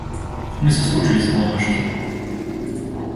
Мы саскочылі з каламажкі.